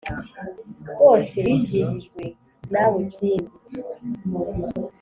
bose bijihijwe nawe simbi